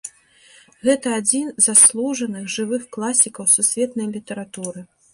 Гэта адзін з заслужаных жывых класікаў сусветнай літаратуры.